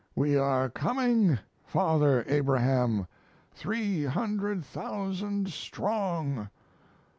"We are coming, Father Abraham, three hundred thousand strong!"